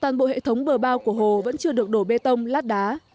toàn bộ hệ thống bờ bao của hồ vẫn chưa được đổ bê tông lát đá